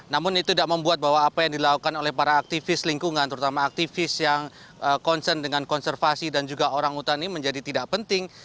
namun itu tidak membuat bahwa apa yang dilakukan oleh para aktivis lingkungan terutama aktivis yang concern dengan konservasi dan juga orang hutan ini menjadi tidak penting